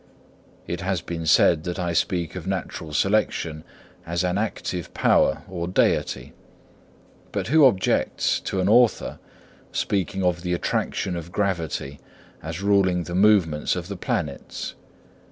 It has been said that I speak of natural selection as an active power or Deity; but who objects to an author speaking of the attraction of gravity as ruling the movements of the planets?